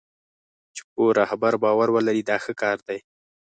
چې په رهبر باور ولري دا ښه کار دی.